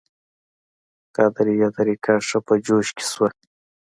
قادریه طریقه ښه په جوش کې شوه.